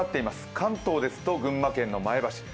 関東ですと群馬県の前橋。